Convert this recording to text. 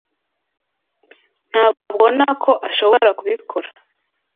Ntabwo mbona ko ashobora kubikora.